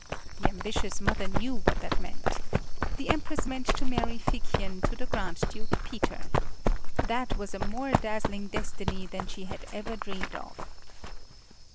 The ambitious mother knew what that meant. The Empress meant to marry Figchen to the Grand Duke Peter. That was a more dazzling destiny than she had ever dreamed of.